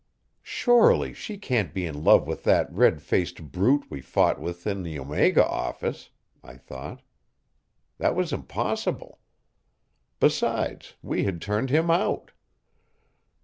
"Surely she can't be in love with that red faced brute we fought with in the Omega office," I thought. That was impossible. Besides, we had turned him out.